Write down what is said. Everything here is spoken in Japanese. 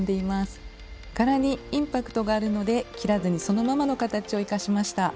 柄にインパクトがあるので切らずにそのままの形を生かしました。